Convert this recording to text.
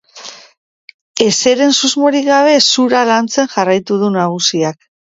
Ezeren susmorik gabe zura lantzen jarraitu du nagusiak.